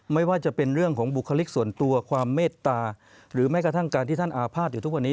ไม่ว่าจะเป็นเรื่องของบุคลิกส่วนตัวความเมตตาหรือแม้กระทั่งการที่ท่านอาภาษณ์อยู่ทุกวันนี้